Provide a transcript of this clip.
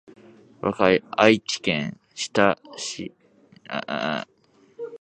愛知県設楽町